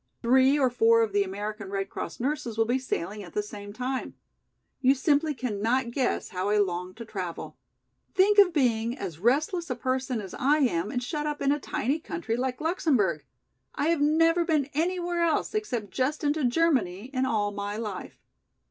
Three or four of the American Red Cross nurses will be sailing at the same time. You simply cannot guess how I long to travel. Think of being as restless a person as I am and shut up in a tiny country like Luxemburg! I have never been anywhere else except just into Germany in all my life."